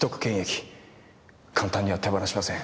簡単には手放しません。